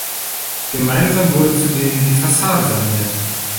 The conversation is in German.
Gemeinsam wurde zudem die Fassade saniert.